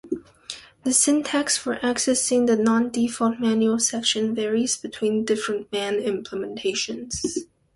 The syntax for accessing the non-default manual section varies between different man implementations.